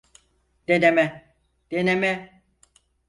Deneme, deneme.